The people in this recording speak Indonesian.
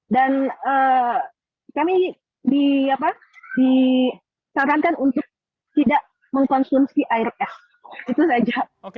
dan kami disarankan untuk tidak mengkonsumsi air es itu saja